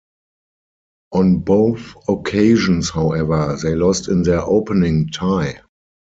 On both occasions, however, they lost in their opening tie.